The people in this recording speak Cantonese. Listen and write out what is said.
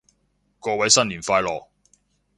各位新年快樂